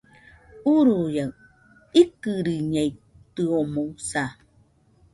Uruia, ikɨriñeitɨomoɨsa